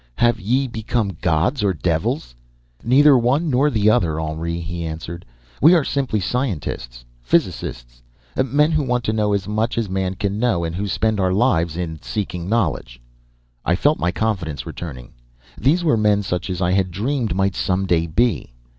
Have ye become gods or devils?' "'Neither the one nor the other, Henri,' he answered. 'We are simply scientists, physicists men who want to know as much as man can know and who spend our lives in seeking knowledge.' "I felt my confidence returning. These were men such as I had dreamed might some day be.